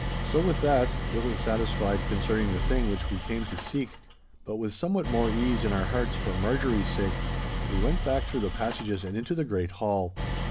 So with that, little satisfied concerning the thing which we came to seek, but with somewhat more ease in our hearts for Marjorie's sake, we went back through the passages and into the great hall.